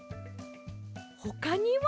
ほかには？